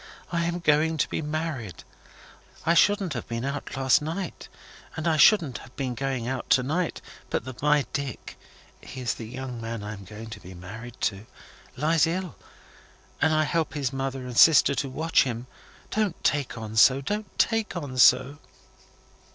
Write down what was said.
I am going to be married. I shouldn't have been out last night, and I shouldn't have been out to night, but that my Dick (he is the young man I am going to be married to) lies ill, and I help his mother and sister to watch him. Don't take on so, don't take on so!"